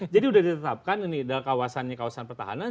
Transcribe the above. jadi sudah ditetapkan ini dalam kawasannya kawasan pertahanan